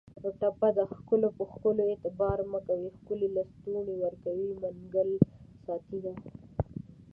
ټپه ده: خکلو په ښکلو اعتبار مه کوی ښکلي لستوڼي ورکوي منګل ساتینه